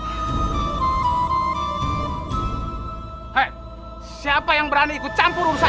hei siapa yang berani ikut campur urusan